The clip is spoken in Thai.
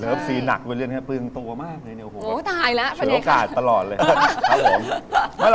เลิฟสีหนักเยอะเรียนปรึงโตมากเลยเนี่ยโอ้โหเฉินโอกาสตลอดเลย